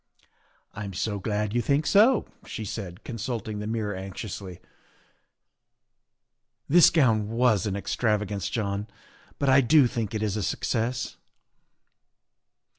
" I'm so glad you think so," she said, consulting the mirror anxiously. " This gown was an extravagance, John, but I do think it is a success.